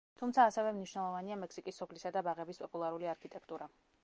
თუმცა, ასევე მნიშვნელოვანია მექსიკის სოფლისა და ბაღების პოპულარული არქიტექტურა.